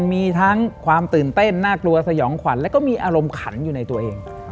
มีทั้งความตื่นเต้นน่ากลัวสยองขวัญแล้วก็มีอารมณ์ขันอยู่ในตัวเอง